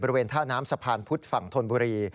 บริเวณท่าน้ำสะพานพุธฝั่งธนบุรี